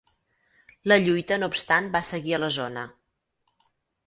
La lluita no obstant va seguir a la zona.